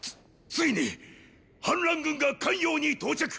ついに反乱軍が咸陽に到着！